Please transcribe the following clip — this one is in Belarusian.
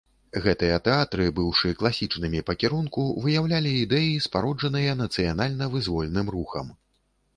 Гэтыя тэатры, быўшы класічнымі пра кірунку, выяўлялі ідэі, спароджаныя нацыянальна-вызвольным рухам.